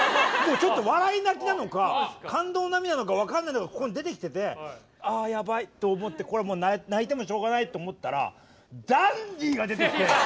ちょっと笑い泣きなのか感動の涙なのか分かんないのがここに出てきててあやばいと思ってこれもう泣いてもしょうがないと思ったらダンディが出てきて！